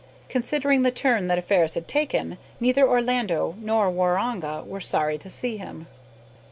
Considering the turn that affairs had taken, neither Orlando nor Waroonga were sorry to see him.